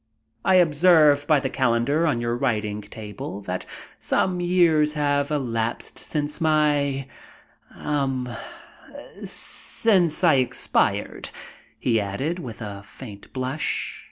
"I observe by the calendar on your writing table that some years have elapsed since my um since I expired," he added, with a faint blush.